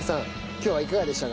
今日はいかがでしたか？